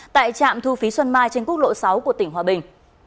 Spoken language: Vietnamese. tại trạm thu phí xuân mai trên quốc lộ sáu của tỉnh hòa bình